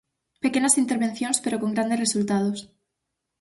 Pequenas intervencións pero con grandes resultados.